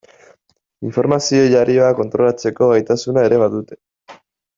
Informazio jarioa kontrolatzeko gaitasuna ere badute.